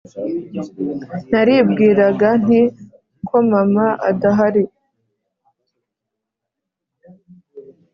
naribwiraga nti ko mama adahari